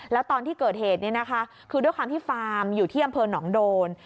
แล้วตอนที่เกิดเหตุนี้นะคะคือด้วยความที่ฟาร์มอยู่ที่อำเภอหนองโดน